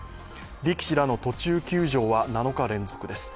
力士らの途中休場は７日連続です。